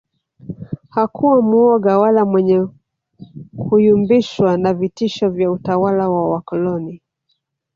Hakuwa muoga wala mwenye kuyumbishwa na vitisho vya utawala wa wakoloni